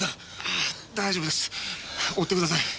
大丈夫か！？